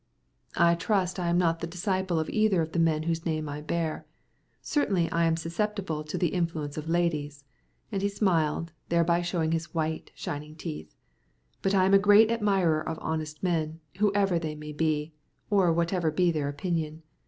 "I trust I am not the disciple of either the men whose name I bear. Certainly I am susceptible to the influence of ladies" and he smiled, thereby showing his white, shining teeth "but I am a great admirer of honest men, whoever they may be, or whatever be their opinion.